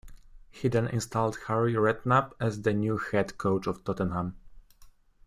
He then installed Harry Redknapp as the new Head Coach of Tottenham.